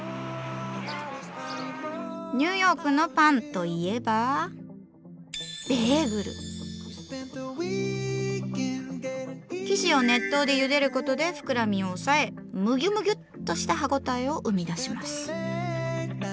ニューヨークのパンといえば生地を熱湯でゆでることで膨らみを抑えムギュムギュッとした歯応えを生み出します。